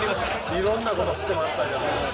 いろんなこと知ってましたけど。